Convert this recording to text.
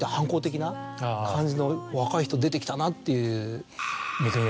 感じの若い人出てきたなっていう。